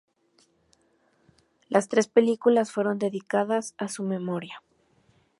Las tres películas fueron dedicadas a su memoria.